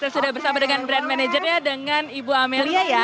sudah bersama dengan brand managernya dengan ibu amelia ya